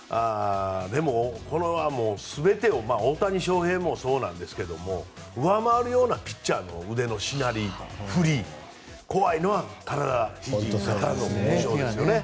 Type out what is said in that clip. でも、これは全てを大谷翔平もそうなんですが上回るようなピッチャーの腕のしなり、振り怖いのは体、ひじ、肩の故障ですよね。